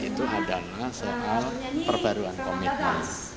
itu adalah soal perbaruan komitmen